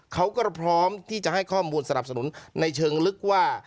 เขาก็พร้อมที่จะให้ข้อมูลสนับสนุนในเชิงลึกว่า